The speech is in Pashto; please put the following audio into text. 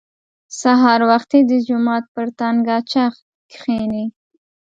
سهار وختي د جومات پر تنګاچه کښېني.